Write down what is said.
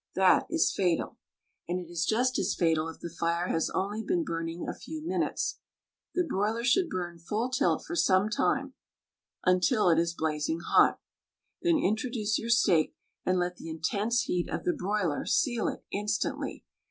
That is fatal! And it is just as fatal if the fire has only been burning a few minutes. The broiler should burn full tilt for some time — ^until it is blazing hot. Then introduce your steak and let the in tense heat of the broiler seal it instantly.